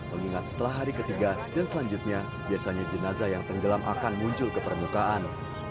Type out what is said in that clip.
mengingat setelah hari ketiga dan selanjutnya biasanya jenazah yang tenggelam akan muncul ke permukaan